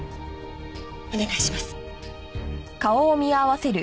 お願いします。